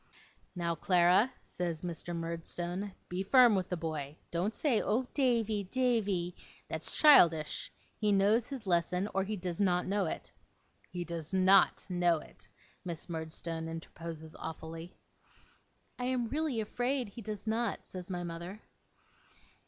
'Now, Clara,' says Mr. Murdstone, 'be firm with the boy. Don't say, "Oh, Davy, Davy!" That's childish. He knows his lesson, or he does not know it.' 'He does NOT know it,' Miss Murdstone interposes awfully. 'I am really afraid he does not,' says my mother.